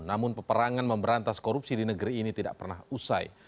namun peperangan memberantas korupsi di negeri ini tidak pernah usai